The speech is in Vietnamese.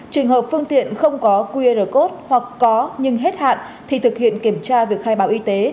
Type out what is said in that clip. trường hợp phương tiện không có qr code hoặc có nhưng hết hạn thì thực hiện kiểm tra việc khai báo y tế